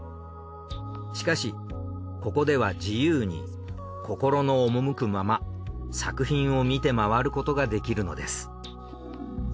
しかしここでは自由に心の赴くまま作品を見て回ることができるのです。